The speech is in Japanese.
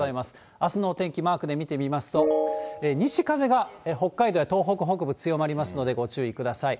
あすのお天気、マークで見てみますと、西風が北海道や東北北部強まりますので、ご注意ください。